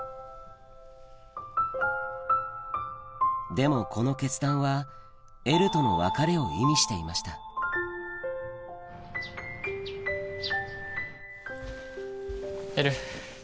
でもこの決断はエルとの別れを意味していましたエル。